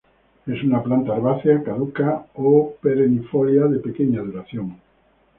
Es una planta herbácea caduca o perennifolia de pequeña duración.